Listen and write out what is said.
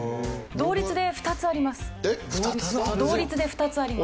同率で２つあります。